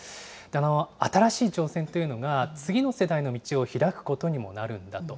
新しい挑戦というのが、次の世代の道を開くことにもなるんだと。